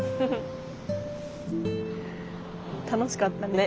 楽しかったね。ね！